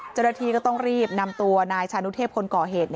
จรฐีก็ต้องรีบนำตัวนายชานุเทพคล์เก่าเขต